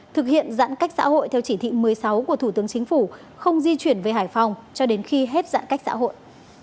thực hiện giãn cách xã hội theo chỉ thị một mươi sáu của thủ tướng chính phủ không di chuyển về hải phòng cho đến khi hết giãn cách xã hội